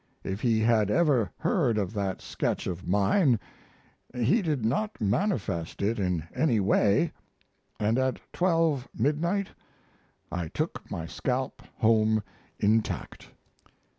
If he had ever heard of that sketch of mine he did not manifest it in any way, and at twelve, midnight, I took my scalp home intact."